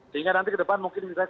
sehingga nanti ke depan mungkin bisa